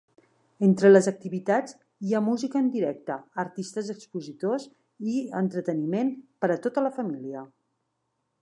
Entre les activitats hi ha música en directe, artistes expositors i entreteniment per a tota la família.